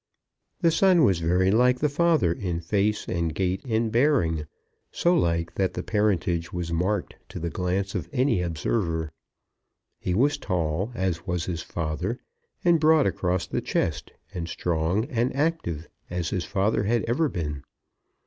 The son was very like the father in face and gait and bearing, so like that the parentage was marked to the glance of any observer. He was tall, as was his father, and broad across the chest, and strong and active, as his father had ever been.